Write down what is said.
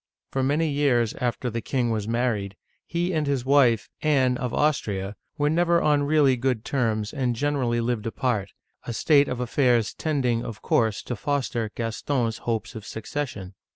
For many years after the king was married, he and his wife, Anne of Austria, were never on really good terms, and generally lived apart, — a state of affairs tending, of course, to foster Gaston's hopes of succession.